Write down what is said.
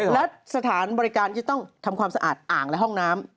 และสถานบริการที่ต้องทำความสะอาดอ่างและห้องน้ำ